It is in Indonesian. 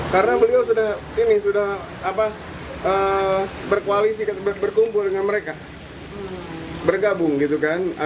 karena beliau sudah berkualisi berkumpul dengan mereka bergabung gitu kan